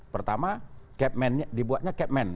pertama dibuatnya cap man